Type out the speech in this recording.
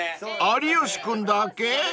［有吉君だけ？］